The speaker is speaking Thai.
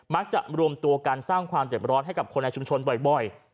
รวมตัวการสร้างความเจ็บร้อนให้กับคนในชุมชนบ่อย